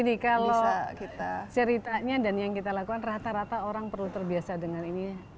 ini kalau kita ceritanya dan yang kita lakukan rata rata orang perlu terbiasa dengan ini